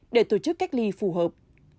để tổ chức cách ly phù hợp